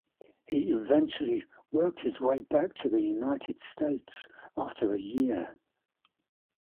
He eventually worked his way back to the United States after a year.